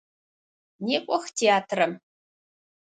Некӏох театрэм!